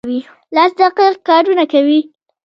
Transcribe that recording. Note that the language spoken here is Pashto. لاس دقیق کارونه کوي.